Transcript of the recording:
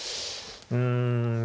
うん。